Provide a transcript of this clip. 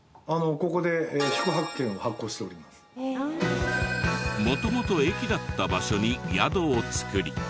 ここで元々駅だった場所に宿を造り。